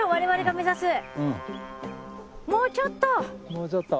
もうちょっと。